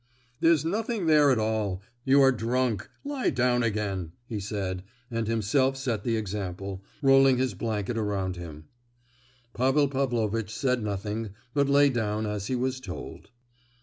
"There's nothing there at all. You are drunk; lie down again!" he said, and himself set the example, rolling his blanket around him. Pavel Pavlovitch said nothing, but lay down as he was told.